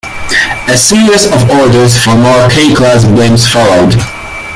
A series of orders for more K-class blimps followed.